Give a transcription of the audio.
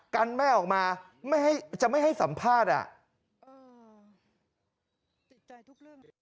กันแม่ออกมาจะไม่ให้สัมภาษณ์